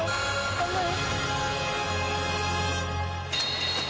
頑張れ！